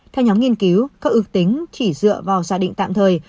theo nhóm nghiên cứu các ước tính chỉ dựa vào gia đình tạm thời